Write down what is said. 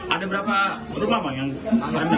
ada berapa rumah bang